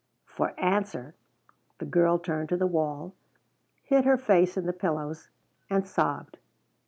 For answer the girl turned to the wall, hid her face in the pillows, and sobbed.